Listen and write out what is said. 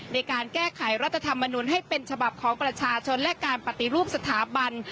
ในการแก้ไขรัฐธรรมนุนให้เป็นฉบับของประชาชนและการปฏิรูปสถาบัน